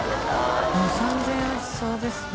２３０００円はしそうですね。